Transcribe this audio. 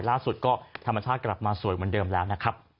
ล่าสุดก็ธรรมชาติกลับมาสวยเหมือนเดิมแล้วนะครับ